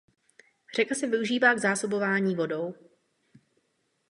Řeka se využívá k zásobování vodou.